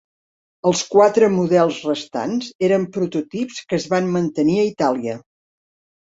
Els quatre models restants eren prototips que es van mantenir a Itàlia.